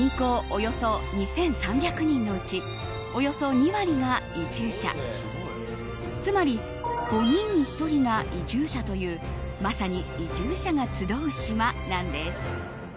およそ２３００人のうちおよそ２割が移住者つまり５人に１人が移住者というまさに移住者が集う島なんです。